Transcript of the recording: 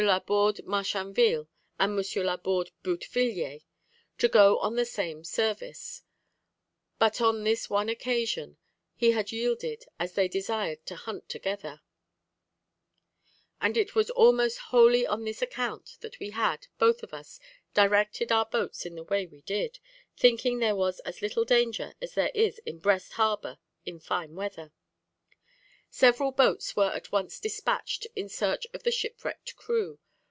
la Borde Marchainville and M. la Borde Boutevilliers, to go on the same service, but on this one occasion he had yielded, as they desired to hunt together; and it was almost wholly on this account that we had, both of us, directed our boats in the way we did, thinking there was as little danger as there is in Brest Harbour in fine weather. "Several boats were at once despatched in search of the shipwrecked crew.